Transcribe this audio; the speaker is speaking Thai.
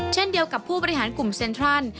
เช่นเดียวกับผู้บริหารกลุ่มเซ็นทรัล